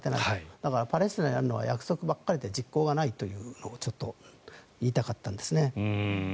だからパレスチナをやるのは約束ばかりで実行がないというのを言いたかったんですね。